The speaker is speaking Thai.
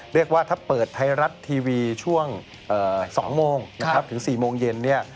เรียกว่าถ้าเปิดทายรัชทีวีช่วง๒โมงถึง๔โมงเย็น